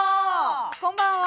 こんばんは。